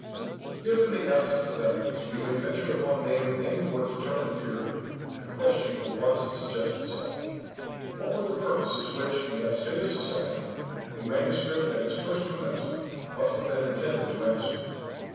If, in the absence of evidence, we may venture upon naming any more determinate period, the question at once suggests itself, What were the purposes which, in that state of society, a manuscript at its first commencement must have been intended to answer?